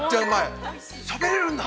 ◆あっ、しゃべれるんだ。